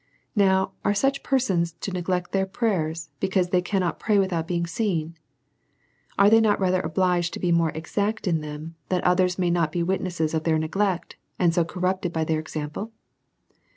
Now are such persons to neglect their prayers, be cause they cannot pray without being* seen ? Are they not rather ojjliged to be more exact in them, that others may not be witnesses of their neglect, and so corrupted by their example